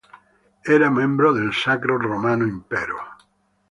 Era membro del Sacro Romano Impero.